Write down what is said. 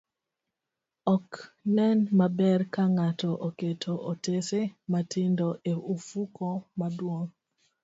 Ok nen maber ka ng'ato oketo otese matindo e ofuko maduong',